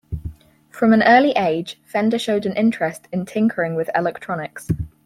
From an early age, Fender showed an interest in tinkering with electronics.